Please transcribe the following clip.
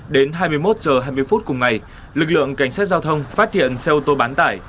đến hai mươi một h hai mươi phút cùng ngày lực lượng cảnh sát giao thông phát hiện xe ô tô bán tải